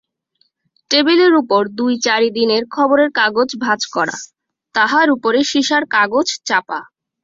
টেবিলের উপর দুই-চারি দিনের খবরের কাগজ ভাঁজ করা, তাহার উপরে সীসার কাগজ-চাপা।